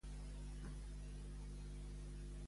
Qui va ser María Luisa Palop?